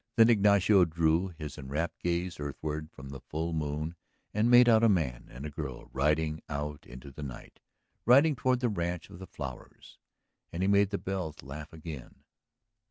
Then Ignacio drew his enrapt gaze earthward from the full moon and made out a man and a girl riding out into the night, riding toward the Ranch of the Flowers. And he made the bells laugh again.